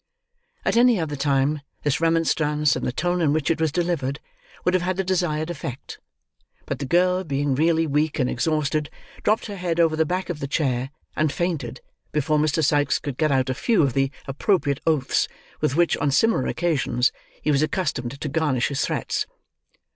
At any other time, this remonstrance, and the tone in which it was delivered, would have had the desired effect; but the girl being really weak and exhausted, dropped her head over the back of the chair, and fainted, before Mr. Sikes could get out a few of the appropriate oaths with which, on similar occasions, he was accustomed to garnish his threats.